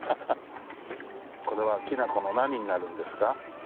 これはきな粉の何になるんですか？